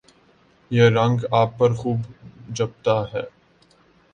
یہ رنگ آپ پر خوب جچتا ہے